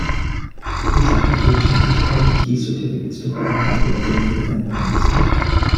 These applications use public key certificates to verify the identity of endpoints.